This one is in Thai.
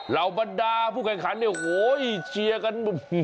เหล่าบรรดาผู้แข่งขันเนี่ยโหเชียร์กัน